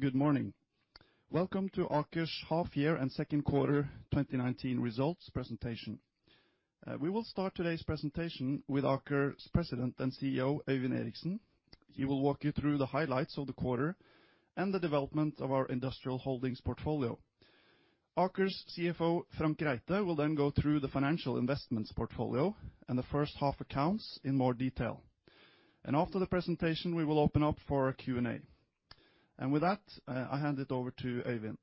Hello everyone, good morning. Welcome to Aker's half year and second quarter 2019 results presentation. We will start today's presentation with Aker's President and CEO, Øyvind Eriksen. He will walk you through the highlights of the quarter and the development of our industrial holdings portfolio. Aker's CFO, Frank Reite, will go through the financial investments portfolio and the first half accounts in more detail. After the presentation, we will open up for a Q&A. With that, I hand it over to Øyvind.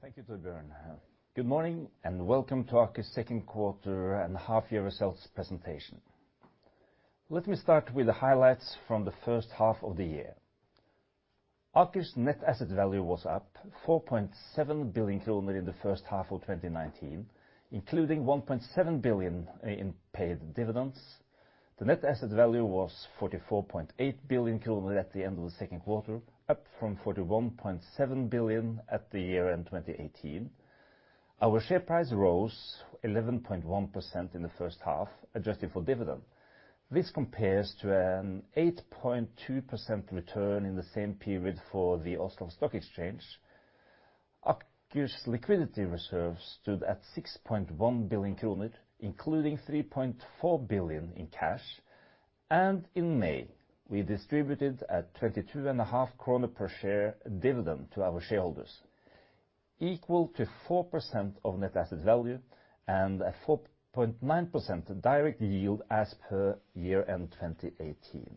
Thank you to Bjorn. Good morning and welcome to Aker's second quarter and half year results presentation. Let me start with the highlights from the first half of the year. Aker's Net Asset Value was up 4.7 billion kroner in the first half of 2019, including 1.7 billion in paid dividends. The Net Asset Value was 44.8 billion kroner at the end of the second quarter, up from 41.7 billion at the year end 2018. Our share price rose 11.1% in the first half, adjusting for dividend. This compares to an 8.2% return in the same period for the Oslo Stock Exchange. Aker's liquidity reserve stood at 6.1 billion kroner, including 3.4 billion in cash. In May, we distributed a 22.5 kroner per share dividend to our shareholders, equal to 4% of Net Asset Value and a 4.9% direct yield as per year end 2018.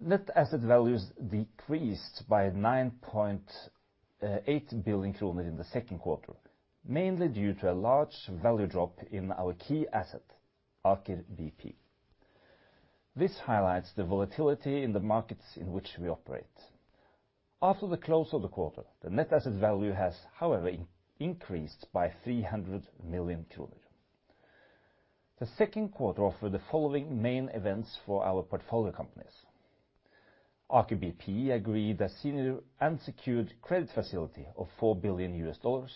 Net Asset Values decreased by 9.8 billion kroner in the second quarter, mainly due to a large value drop in our key asset, Aker BP. This highlights the volatility in the markets in which we operate. After the close of the quarter, the Net Asset Value has, however, increased by 300 million. The second quarter offered the following main events for our portfolio companies. Aker BP agreed a senior unsecured credit facility of $4 billion USD. Aker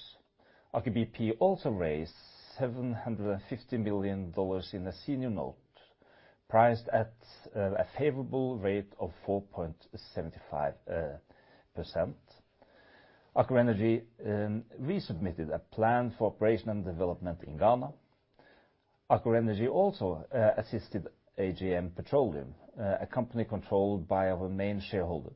BP also raised $750 million in a senior note, priced at a favorable rate of 4.75%. Aker Energy resubmitted a plan for operation and development in Ghana. Aker Energy also assisted AJM Petroleum, a company controlled by our main shareholder,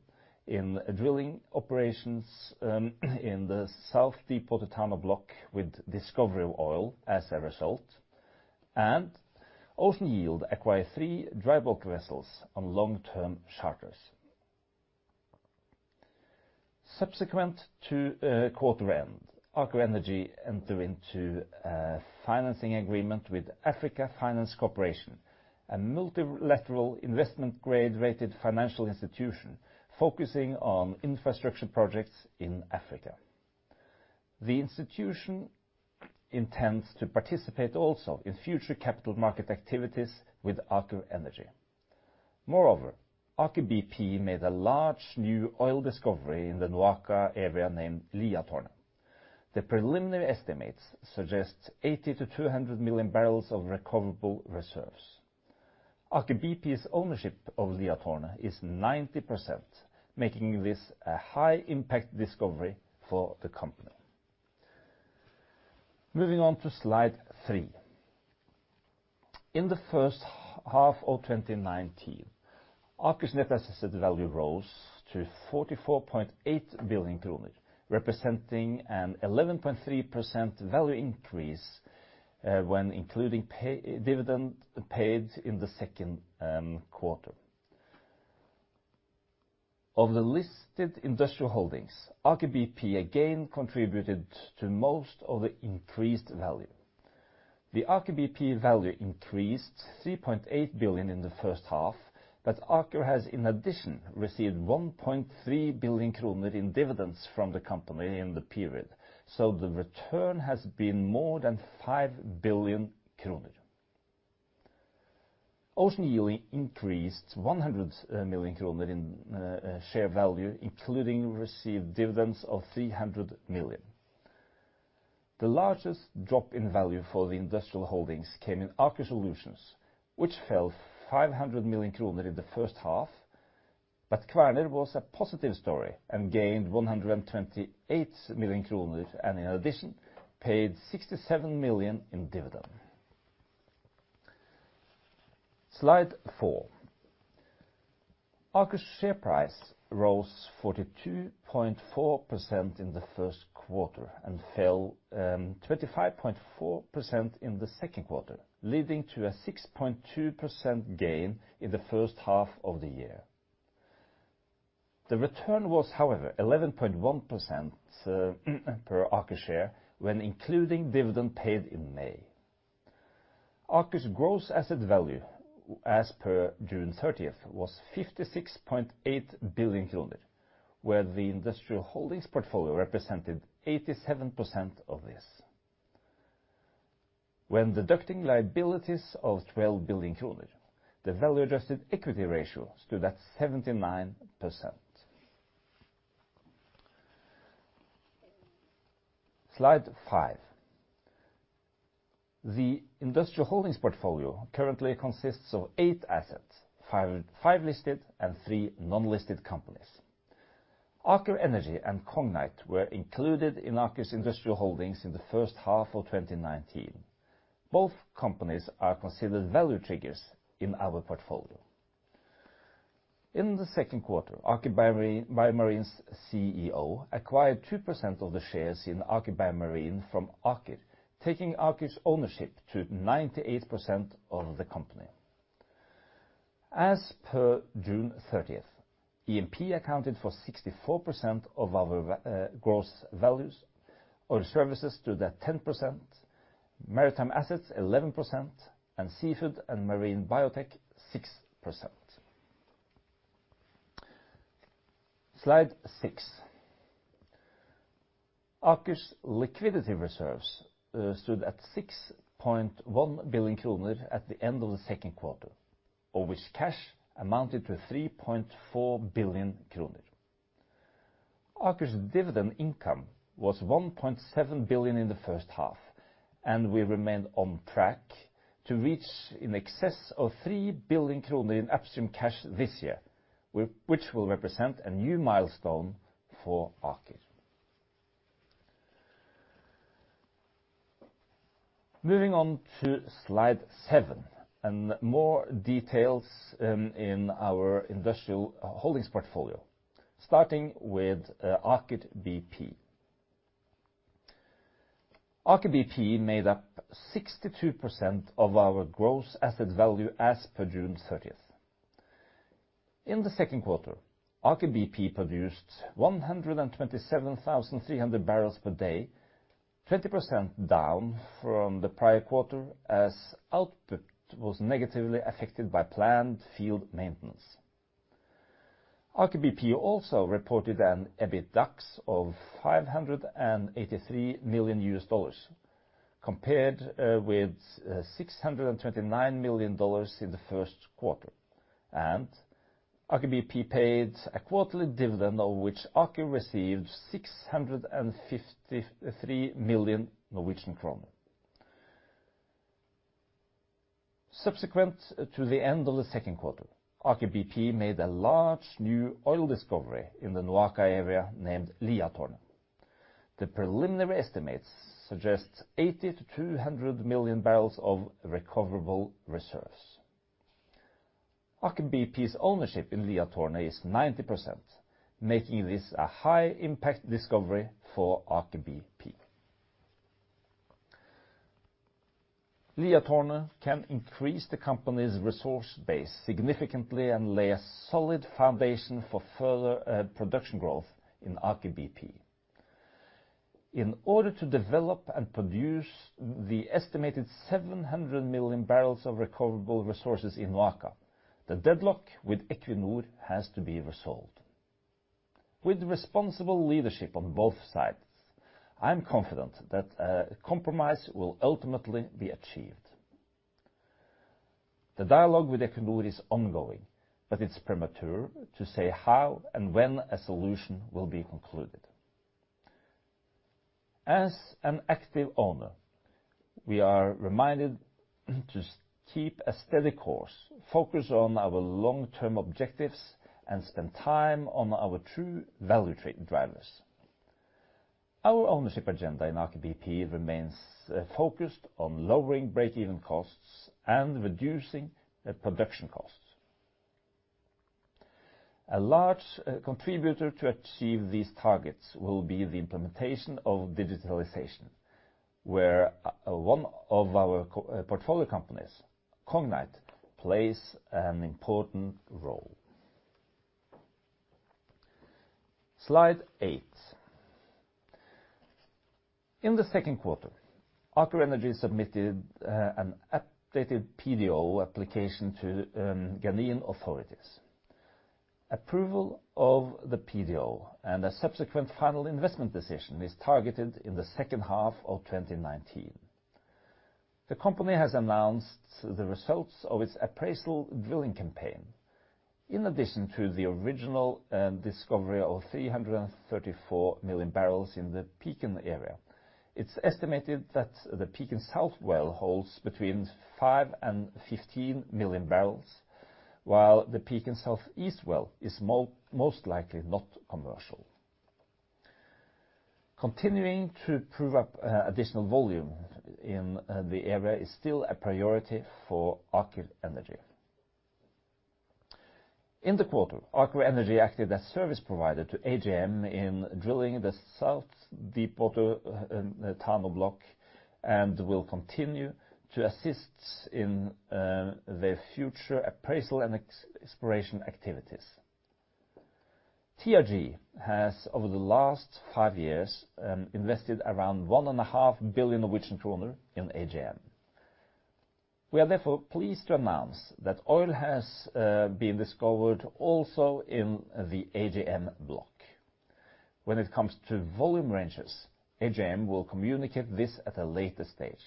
in drilling operations in the South Deepwater Tano Block with discovery of oil as a result. Ocean Yield acquired three dry bulk vessels on long-term charters. Subsequent to quarter end, Aker Energy entered into a financing agreement with Africa Finance Corporation, a multilateral investment-grade rated financial institution focusing on infrastructure projects in Africa. The institution intends to participate also in future capital market activities with Aker Energy. Moreover, Aker BP made a large new oil discovery in the NOAKA area named Liatårnet. The preliminary estimates suggest 80-200 million barrels of recoverable reserves. Aker BP's ownership of Liatårnet is 90%, making this a high-impact discovery for the company. Moving on to slide three. In the first half of 2019, Aker's Net Asset Value rose to 44.8 billion kroner representing an 11.3% value increase when including dividend paid in the second quarter. Of the listed industrial holdings, Aker BP again contributed to most of the increased value. The Aker BP value increased 3.8 billion in the first half. Aker has, in addition, received 1.3 billion kroner in dividends from the company in the period. The return has been more than 5 billion kroner. Ocean Yield increased 100 million kroner in share value, including received dividends of 300 million. The largest drop in value for the industrial holdings came in Aker Solutions, which fell 500 million kroner in the first half. Kværner was a positive story and gained 128 million kroner and in addition, paid 67 million in dividend. Slide four. Aker's share price rose 42.4% in the first quarter and fell 25.4% in the second quarter, leading to a 6.2% gain in the first half of the year. The return was, however, 11.1% per Aker share when including dividend paid in May. Aker's gross asset value as per June 30th was 56.8 billion kroner, where the industrial holdings portfolio represented 87% of this. When deducting liabilities of 12 billion kroner, the value-adjusted equity ratio stood at 79%. Slide five. The Industrial Holdings portfolio currently consists of eight assets, five listed and three non-listed companies. Aker Energy and Cognite were included in Aker's industrial holdings in the first half of 2019. Both companies are considered value triggers in our portfolio. In the second quarter, Aker BioMarine's CEO acquired 2% of the shares in Aker BioMarine from Aker, taking Aker's ownership to 98% of the company. As per June 30th, E&P accounted for 64% of our gross values, Oil Services 10%, Maritime Assets 11%, and Seafood and Marine Biotech 6%. Slide six. Aker's liquidity reserves stood at 6.1 billion kroner at the end of the second quarter, of which cash amounted to 3.4 billion kroner. Aker's dividend income was 1.7 billion in the first half. We remain on track to reach in excess of 3 billion kroner in upstream cash this year, which will represent a new milestone for Aker. Moving on to Slide seven and more details in our Industrial Holdings portfolio. Starting with Aker BP. Aker BP made up 62% of our gross asset value as per June 30th. In the second quarter, Aker BP produced 127,300 barrels per day, 20% down from the prior quarter as output was negatively affected by planned field maintenance. Aker BP also reported an EBITDAX of $583 million, compared with $629 million in the first quarter. Aker BP paid a quarterly dividend, of which Aker received 653 million Norwegian kroner. Subsequent to the end of the second quarter, Aker BP made a large new oil discovery in the NOAKA area named Liatårnet. The preliminary estimates suggest 80 to 200 million barrels of recoverable reserves. Aker BP's ownership in Liatårnet is 90%, making this a high-impact discovery for Aker BP. Liatårnet can increase the company's resource base significantly and lay a solid foundation for further production growth in Aker BP. In order to develop and produce the estimated 700 million barrels of recoverable resources in NOAKA, the deadlock with Equinor has to be resolved. With responsible leadership on both sides, I am confident that a compromise will ultimately be achieved. The dialogue with Equinor is ongoing. It's premature to say how and when a solution will be concluded. As an active owner, we are reminded to keep a steady course, focus on our long-term objectives, and spend time on our true value drivers. Our ownership agenda in Aker BP remains focused on lowering break-even costs and reducing production costs. A large contributor to achieve these targets will be the implementation of digitalization, where one of our portfolio companies, Cognite, plays an important role. Slide eight. In the second quarter, Aker Energy submitted an updated PDO application to Ghanaian authorities. Approval of the PDO and a subsequent final investment decision is targeted in the second half of 2019. The company has announced the results of its appraisal drilling campaign. In addition to the original discovery of 334 million barrels in the Pecan area, it's estimated that the Pecan South well holds between five and 15 million barrels, while the Pecan Southeast well is most likely not commercial. Continuing to prove up additional volume in the area is still a priority for Aker Energy. In the quarter, Aker Energy acted as service provider to AJM in drilling the South Deepwater Tano block and will continue to assist in the future appraisal and exploration activities. TRG has, over the last five years, invested around 1.5 billion Norwegian kroner in AJM. We are therefore pleased to announce that oil has been discovered also in the AJM block. When it comes to volume ranges, AJM will communicate this at a later stage.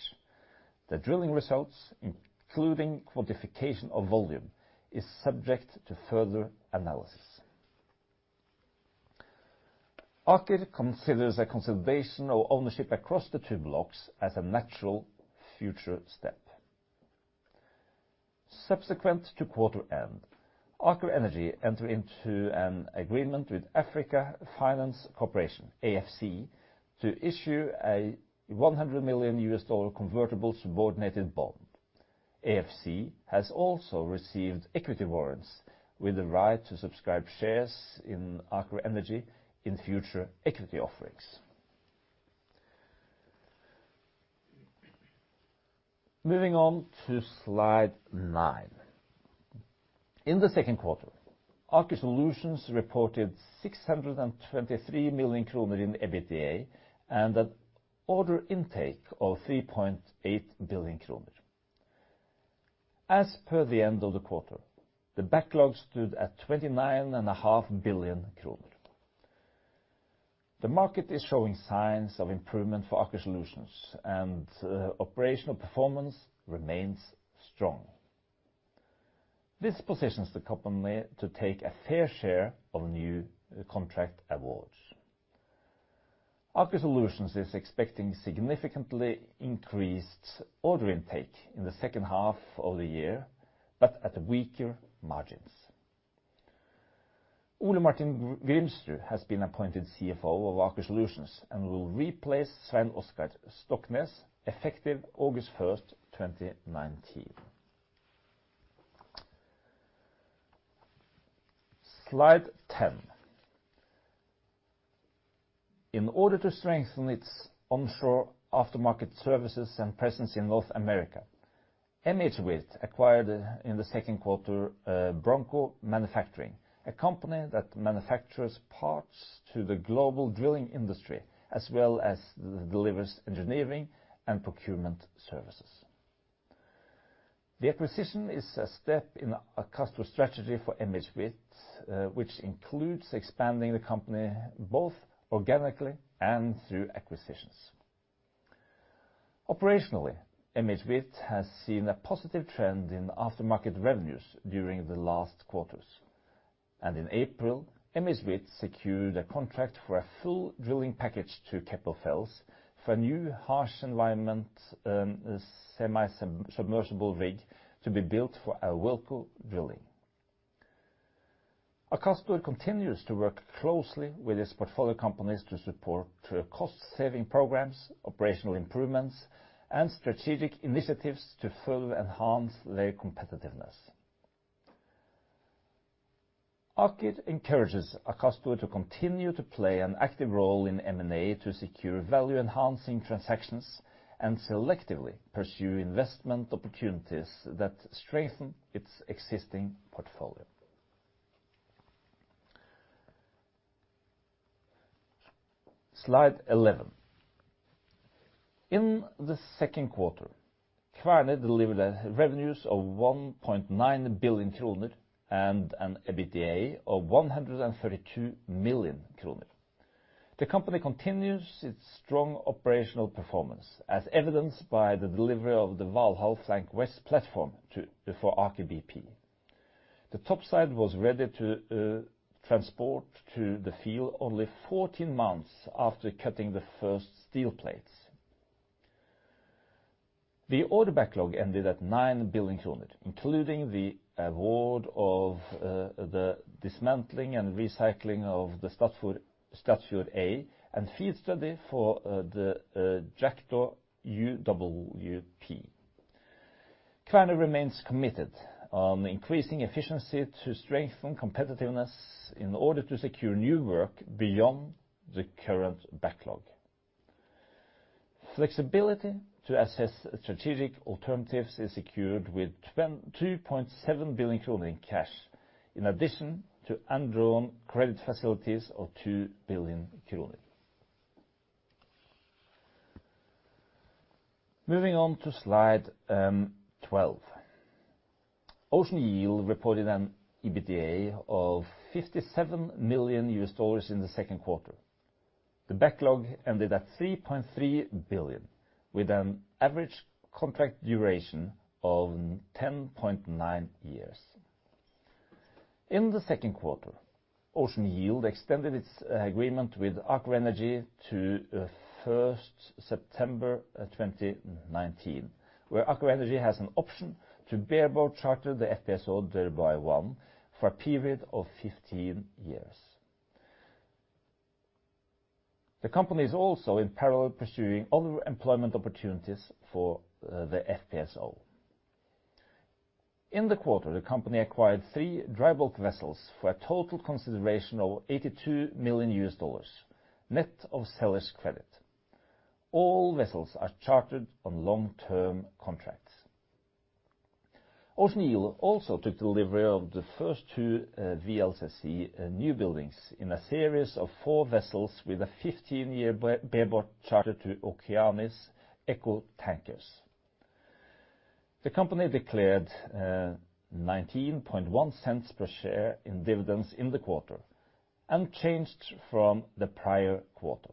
The drilling results, including quantification of volume, is subject to further analysis. Aker considers a consolidation of ownership across the two blocks as a natural future step. Subsequent to quarter end, Aker Energy entered into an agreement with Africa Finance Corporation, AFC, to issue a NOK 100 million convertible subordinated bond. AFC has also received equity warrants with the right to subscribe shares in Aker Energy in future equity offerings. Moving on to slide nine. In the second quarter, Aker Solutions reported 623 million kroner in EBITDA and an order intake of 3.8 billion kroner. As per the end of the quarter, the backlog stood at 29.5 billion kroner. The market is showing signs of improvement for Aker Solutions and operational performance remains strong. This positions the company to take a fair share of new contract awards. Aker Solutions is expecting significantly increased order intake in the second half of the year, but at weaker margins. Ole Martin Grimsrud has been appointed CFO of Aker Solutions and will replace Svein Oskar Stoknes effective August 1st, 2019. Slide 10. In order to strengthen its onshore aftermarket services and presence in North America, MHWirth acquired in the second quarter Bronco Manufacturing, a company that manufactures parts to the global drilling industry, as well as delivers engineering and procurement services. The acquisition is a step in Akastor's strategy for MHWirth, which includes expanding the company both organically and through acquisitions. Operationally, MHWirth has seen a positive trend in aftermarket revenues during the last quarters. In April, MHWirth secured a contract for a full drilling package to Keppel FELS for a new harsh environment semi-submersible rig to be built for Awilco Drilling. Akastor continues to work closely with its portfolio companies to support cost-saving programs, operational improvements, and strategic initiatives to further enhance their competitiveness. Aker encourages Akastor to continue to play an active role in M&A to secure value-enhancing transactions and selectively pursue investment opportunities that strengthen its existing portfolio. Slide 11. In the second quarter, Kværner delivered revenues of 1.9 billion kroner and an EBITDA of 132 million kroner. The company continues its strong operational performance, as evidenced by the delivery of the Valhall flank west platform for Aker BP. The top side was ready to transport to the field only 14 months after cutting the first steel plates. The order backlog ended at 9 billion kroner, including the award of the dismantling and recycling of the Statfjord A and FEED study for the Jotun UWP. Kværner remains committed on increasing efficiency to strengthen competitiveness in order to secure new work beyond the current backlog. Flexibility to assess strategic alternatives is secured with 2.7 billion kroner in cash, in addition to undrawn credit facilities of 2 billion kroner. Moving on to slide 12. Ocean Yield reported an EBITDA of $57 million in the second quarter. The backlog ended at 3.3 billion, with an average contract duration of 10.9 years. In the second quarter, Ocean Yield extended its agreement with Aker Energy to 1st September 2019, where Aker Energy has an option to bareboat charter the FPSO Dhirubhai-1 for a period of 15 years. The company is also in parallel pursuing other employment opportunities for the FPSO. In the quarter, the company acquired three dry bulk vessels for a total consideration of $82 million, net of seller's credit. All vessels are chartered on long-term contracts. Ocean Yield also took delivery of the first two VLCC new buildings in a series of four vessels with a 15-year bareboat charter to Okeanis Eco Tankers. The company declared $0.191 per share in dividends in the quarter, unchanged from the prior quarter.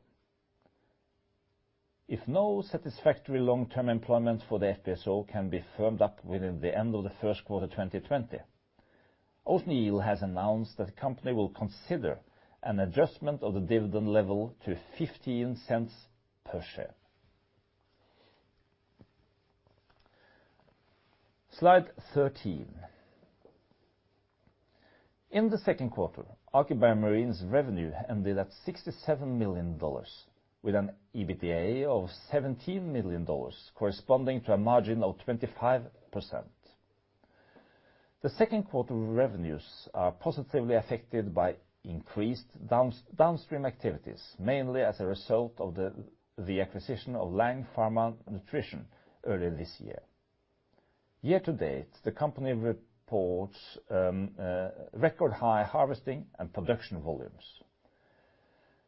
If no satisfactory long-term employment for the FPSO can be firmed up within the end of the first quarter 2020, Ocean Yield has announced that the company will consider an adjustment of the dividend level to $0.15 per share. Slide 13. In the second quarter, Aker BioMarine's revenue ended at $67 million, with an EBITDA of $17 million, corresponding to a margin of 25%. The second quarter revenues are positively affected by increased downstream activities, mainly as a result of the acquisition of Lang Pharma Nutrition earlier this year. Year to date, the company reports record-high harvesting and production volumes.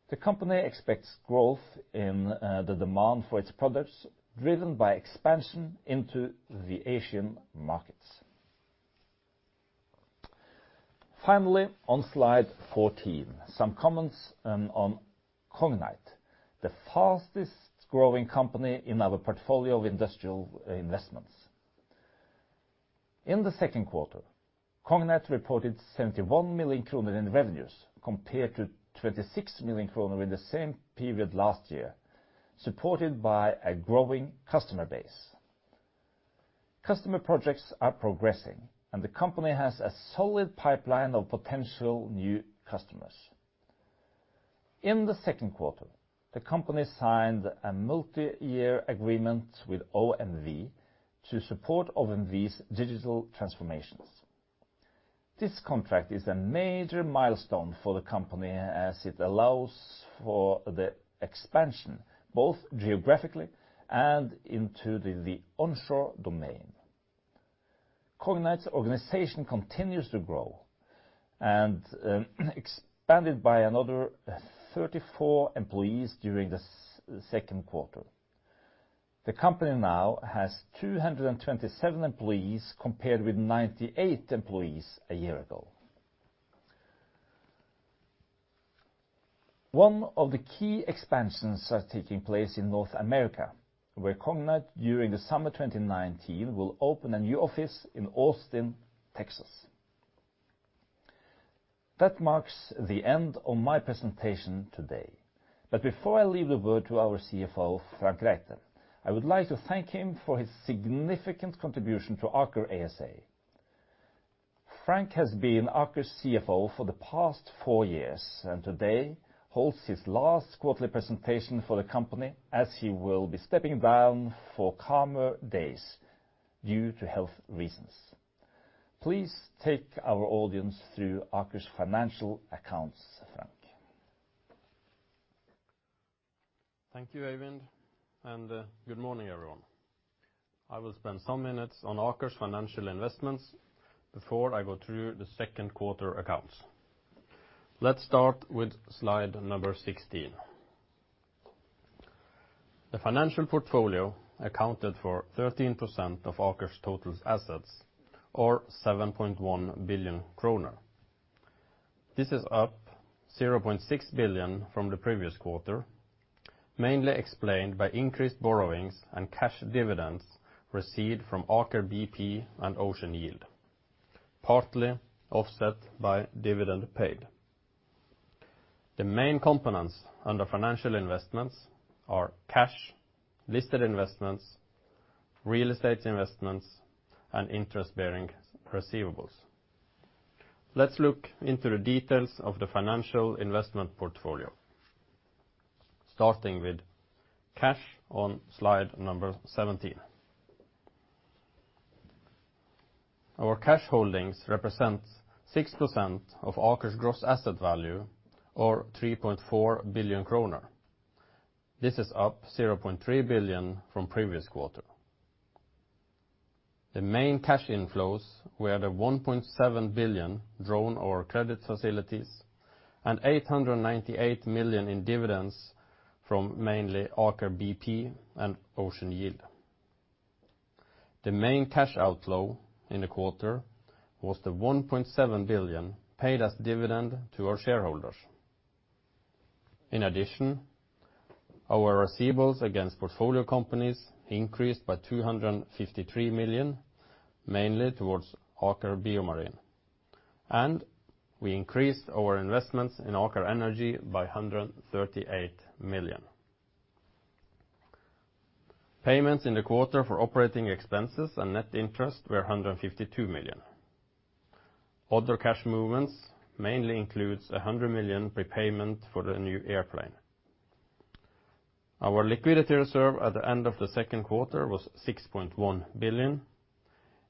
The company expects growth in the demand for its products, driven by expansion into the Asian markets. Finally, on Slide 14, some comments on Cognite, the fastest-growing company in our portfolio of industrial investments. In the second quarter, Cognite reported 71 million kroner in revenues compared to 26 million kroner in the same period last year, supported by a growing customer base. Customer projects are progressing, and the company has a solid pipeline of potential new customers. In the second quarter, the company signed a multi-year agreement with OMV to support OMV's digital transformations. This contract is a major milestone for the company, as it allows for the expansion, both geographically and into the onshore domain. Cognite's organization continues to grow and expanded by another 34 employees during the second quarter. The company now has 227 employees, compared with 98 employees a year ago. One of the key expansions are taking place in North America, where Cognite, during the summer 2019, will open a new office in Austin, Texas. That marks the end of my presentation today. Before I leave the word to our CFO, Frank Reite, I would like to thank him for his significant contribution to Aker ASA. Frank has been Aker's CFO for the past four years, and today holds his last quarterly presentation for the company, as he will be stepping down for calmer days due to health reasons. Please take our audience through Aker's financial accounts, Frank. Thank you, Øyvind, good morning, everyone. I will spend some minutes on Aker's financial investments before I go through the second quarter accounts. Let's start with slide number 16. The financial portfolio accounted for 13% of Aker's total assets, or 7.1 billion kroner. This is up 0.6 billion from the previous quarter, mainly explained by increased borrowings and cash dividends received from Aker BP and Ocean Yield, partly offset by dividend paid. The main components under financial investments are cash, listed investments, real estate investments, and interest-bearing receivables. Let's look into the details of the financial investment portfolio, starting with cash on slide number 17. Our cash holdings represent 6% of Aker's gross asset value, or 3.4 billion kroner. This is up 0.3 billion from the previous quarter. The main cash inflows were the 1.7 billion drawn over credit facilities and 898 million in dividends from mainly Aker BP and Ocean Yield. The main cash outflow in the quarter was the 1.7 billion paid as dividend to our shareholders. In addition, our receivables against portfolio companies increased by 253 million, mainly towards Aker BioMarine, and we increased our investments in Aker Energy by 138 million. Payments in the quarter for operating expenses and net interest were 152 million. Other cash movements mainly includes 100 million prepayment for the new airplane. Our liquidity reserve at the end of the second quarter was 6.1 billion,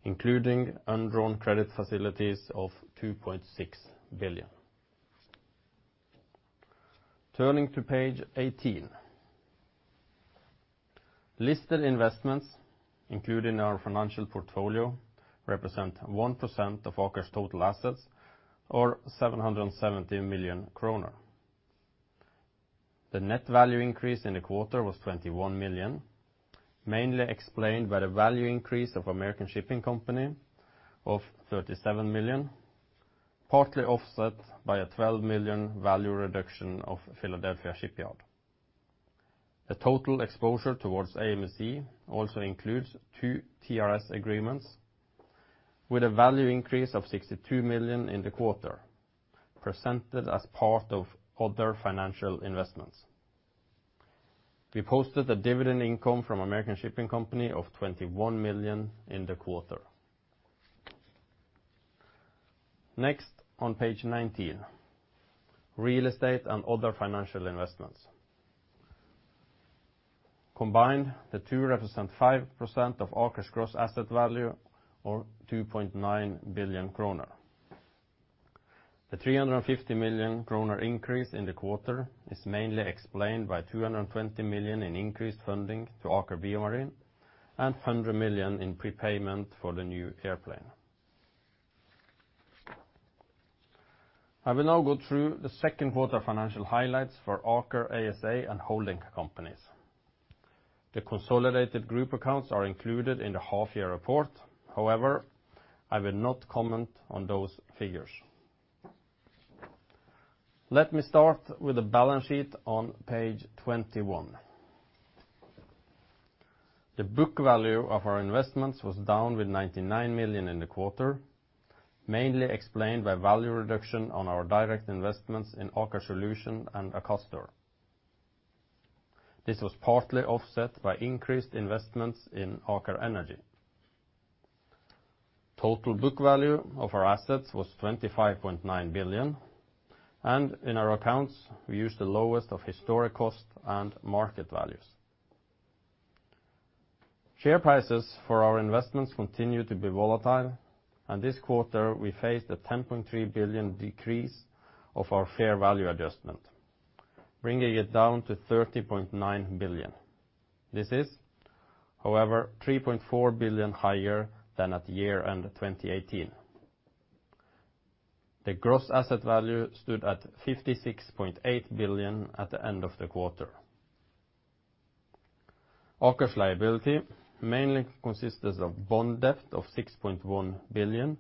including undrawn credit facilities of 2.6 billion. Turning to page 18. Listed investments, including our financial portfolio, represent 1% of Aker's total assets or 770 million kroner. The net value increase in the quarter was 21 million, mainly explained by the value increase of American Shipping Company of 37 million. Partly offset by a 12 million value reduction of Philly Shipyard. The total exposure towards AMSC also includes two TRS agreements with a value increase of 62 million in the quarter, presented as part of other financial investments. We posted a dividend income from American Shipping Company of 21 million in the quarter. Next, on page 19, real estate and other financial investments. Combined, the two represent 5% of Aker's gross asset value, or 2.9 billion kroner. The 350 million kroner increase in the quarter is mainly explained by 220 million in increased funding to Aker BioMarine, and 100 million in prepayment for the new airplane. I will now go through the second quarter financial highlights for Aker ASA and holding companies. The consolidated group accounts are included in the half year report. I will not comment on those figures. Let me start with the balance sheet on page 21. The book value of our investments was down with 99 million in the quarter, mainly explained by value reduction on our direct investments in Aker Solutions and Akastor. This was partly offset by increased investments in Aker Energy. Total book value of our assets was 25.9 billion, and in our accounts we used the lowest of historic cost and market values. Share prices for our investments continue to be volatile, and this quarter we faced a 10.3 billion decrease of our fair value adjustment, bringing it down to 30.9 billion. This is, however, 3.4 billion higher than at year end 2018. The gross asset value stood at 56.8 billion at the end of the quarter. Aker's liability mainly consists of bond debt of 6.1 billion,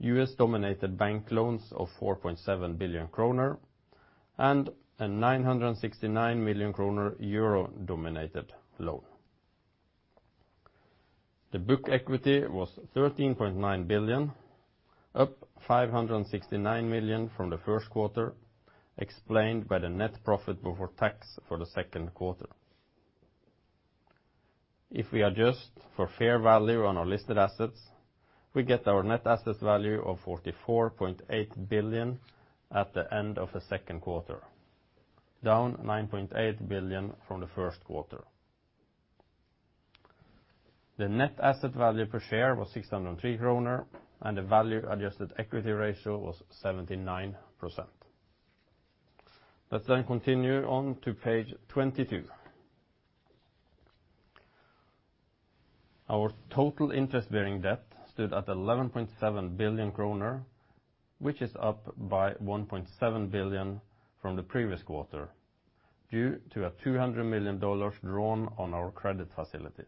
U.S. denominated bank loans of 4.7 billion kroner, and a NOK 969 million EUR denominated loan. The book equity was 13.9 billion, up 569 million from the first quarter, explained by the net profit before tax for the second quarter. If we adjust for fair value on our listed assets, we get our Net Asset Value of 44.8 billion at the end of the second quarter, down 9.8 billion from the first quarter. The Net Asset Value per share was 603 kroner, and the value adjusted equity ratio was 79%. Let's continue on to page 22. Our total interest-bearing debt stood at 11.7 billion kroner, which is up by 1.7 billion from the previous quarter due to a $200 million drawn on our credit facility.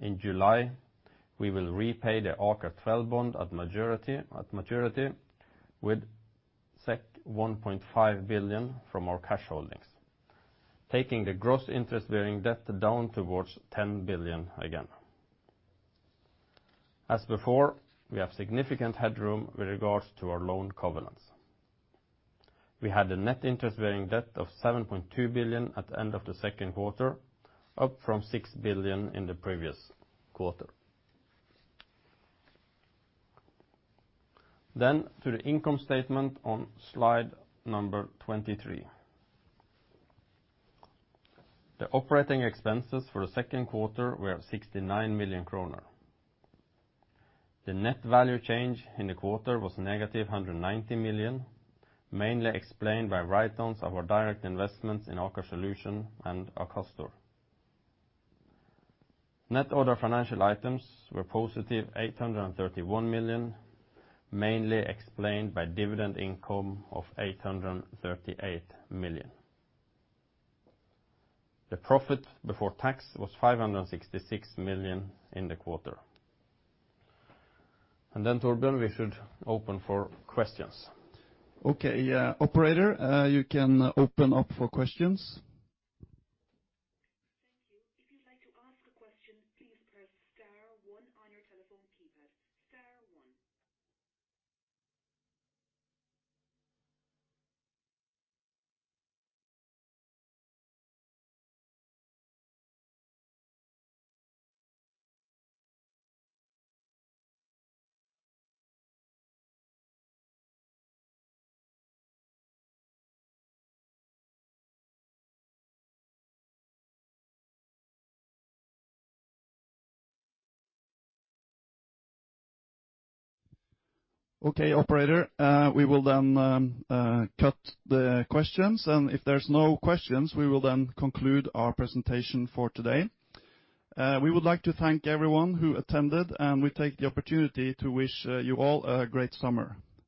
In July, we will repay the AKER12 bond at maturity with 1.5 billion from our cash holdings, taking the gross interest-bearing debt down towards 10 billion again. As before, we have significant headroom with regards to our loan covenants. We had a net interest-bearing debt of 7.2 billion at the end of the second quarter, up from 6 billion in the previous quarter. To the income statement on slide number 23. The operating expenses for the second quarter were 69 million kroner. The net value change in the quarter was negative 190 million, mainly explained by write-downs of our direct investments in Aker Solutions and Akastor. Net other financial items were positive 831 million, mainly explained by dividend income of 838 million. The profit before tax was 566 million in the quarter. Torbjørn, we should open for questions. Okay. Yeah. Operator, you can open up for questions. Thank you. If you'd like to ask a question, please press star one on your telephone keypad. Star one. Okay. Operator, we will then cut the questions, and if there's no questions, we will then conclude our presentation for today. We would like to thank everyone who attended, and we take the opportunity to wish you all a great summer.